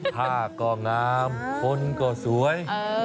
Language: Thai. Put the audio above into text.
ผ้าก็งามคนก็สวย